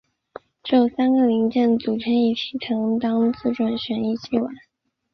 只有三个零件组成一体才能当自转旋翼机玩。